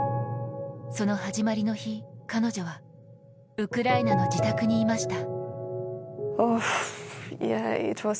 その始まりの日、彼女はウクライナの自宅にいました。